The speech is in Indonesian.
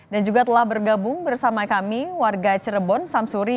dan juga telah bergabung bersama kami warga cirebon samsuri